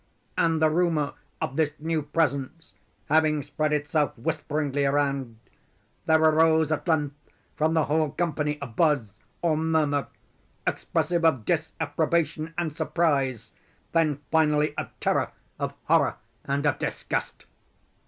And the rumor of this new presence having spread itself whisperingly around, there arose at length from the whole company a buzz, or murmur, expressive of disapprobation and surprise—then, finally, of terror, of horror, and of disgust.